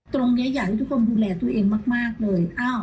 อยากให้ทุกคนดูแลตัวเองมากเลย